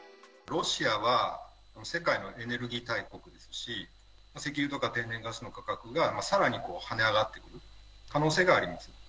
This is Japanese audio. ロシアは世界のエネルギー大国ですし、石油とか天然ガスの価格がさらに跳ね上がっていく可能性があります。